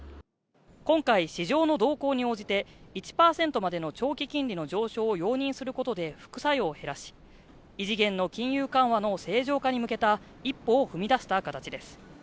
今回、市場の動向に応じて１％までの長期金利の上昇を容認することで副作用を減らし、異次元の金融緩和の正常化に向けた一歩を踏み出した形です。